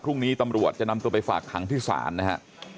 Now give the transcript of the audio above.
พรุ่งนี้ตำรวจจะนำตัวไปฝากขังที่ศาลนะฮะ